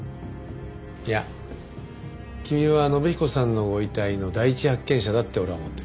いや君は信彦さんのご遺体の第一発見者だって俺は思ってる。